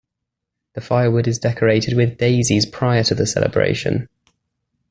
The firewood is decorated with daisies prior to the celebration.